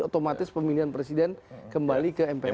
otomatis pemilihan presiden kembali ke mpr